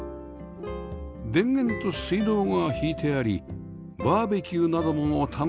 電源と水道が引いてありバーベキューなども楽しめます。